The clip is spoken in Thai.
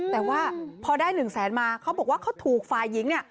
แต่ว่าพอได้๑๐๐๐๐๐บาทมาเขาบอกว่าเขาถูกฝ่ายหญิง